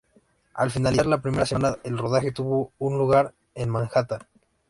Al finalizar la primera semana, el rodaje tuvo lugar en Manhattan.